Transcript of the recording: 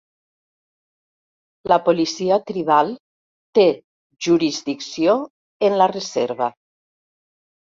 La policia tribal té jurisdicció en la reserva.